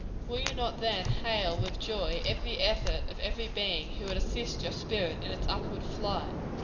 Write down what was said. Will you not, then, hail with joy, every effort of every being who would assist your spirit in its upward flight?